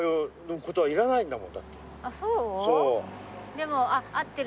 でも。